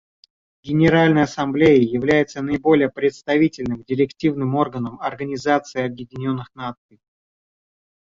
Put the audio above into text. Генеральная Ассамблея является наиболее представительным директивным органом Организации Объединенных Наций.